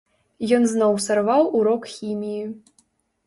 Ён зноў сарваў урок хіміі.